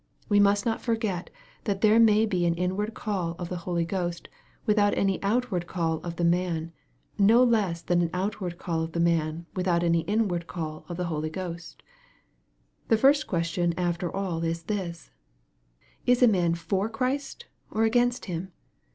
We must not forget that there may be an inward call of the Holy Ghost without any out ward call of man, no less than an outward call of man without any inward call of the Holy Ghost. The first question after all is this :" Is a man for Christ, or against Him?